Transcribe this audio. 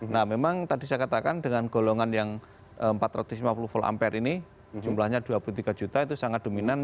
nah memang tadi saya katakan dengan golongan yang empat ratus lima puluh volt ampere ini jumlahnya dua puluh tiga juta itu sangat dominan